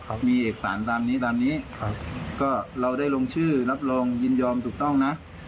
มีเอกสารตามนี้ตามนี้ครับก็เราได้ลงชื่อรับรองยินยอมถูกต้องนะ